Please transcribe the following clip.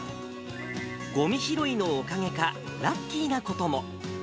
ごみ拾いのおかげか、ラッキーなことも。